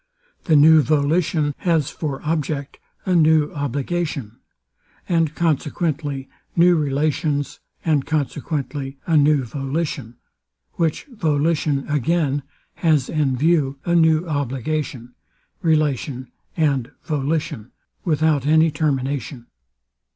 The new volition has for object a new obligation, and consequently new relations, and consequently a new volition; which volition again has in view a new obligation, relation and volition, without any termination.